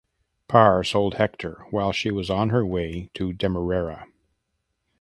Parr sold "Hector" while she was on her way to Demerara.